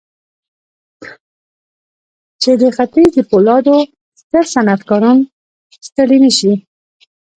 چې د ختيځ د پولادو ستر صنعتکاران ستړي نه شي.